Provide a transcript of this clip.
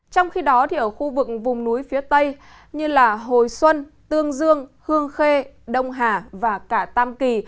trong khi đó ở khu vực vùng núi phía tây như hồi xuân tương dương hương khê đông hà và cả tam kỳ